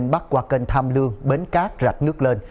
bắt qua kênh tham lương bến cát rạch nước lên